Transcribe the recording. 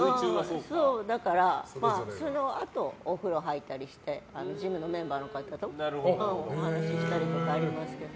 だから、そのあとお風呂入ったりしてジムのメンバーの方とお話したりとかありますけど。